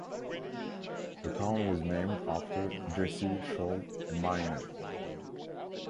The town was named after Jesse Shull, a miner.